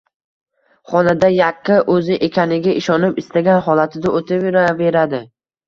Xonada yakka o`zi ekaniga ishonib, istagan holatida o`tiraverdi